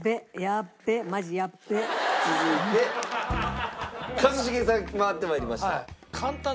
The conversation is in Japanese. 続いて一茂さん回って参りました。